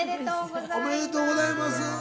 おめでとうございます。